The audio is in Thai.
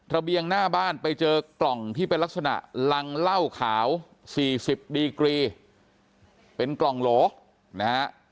เบียงหน้าบ้านไปเจอกล่องที่เป็นลักษณะรังเหล้าขาว๔๐ดีกรีเป็นกล่องโหลนะฮะ